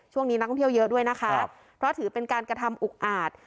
ช่วงนี้นักท่องเที่ยวเยอะด้วยนะคะเพราะถือเป็นการกระทำอุกอาจ